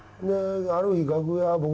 ある日楽屋僕